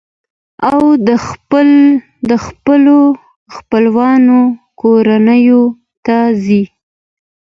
او د خپلو خپلوانو کورنو ته ځي.